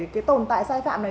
cái tồn tại sai phạm này